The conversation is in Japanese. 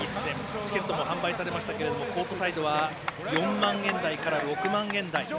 チケットも販売されましたがコートサイドは４万円台から６万円台。